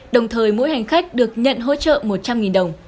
đồng thời mỗi hành khách được nhận hỗ trợ một trăm linh đồng